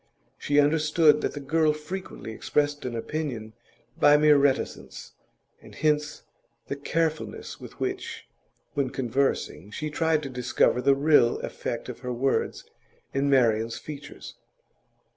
She understood that the girl frequently expressed an opinion by mere reticence, and hence the carefulness with which, when conversing, she tried to discover the real effect of her words in Marian's features.